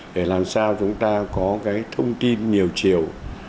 để làm sao chúng ta có cái thông tin nhiều chiều